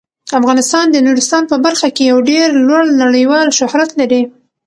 افغانستان د نورستان په برخه کې یو ډیر لوړ نړیوال شهرت لري.